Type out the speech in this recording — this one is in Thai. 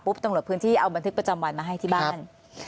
ตำรวจพื้นที่เอาบันทึกประจำวันมาให้ที่บ้าน